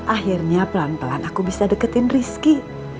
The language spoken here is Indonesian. akhirnya pelan pelan aku bisa deketin rizky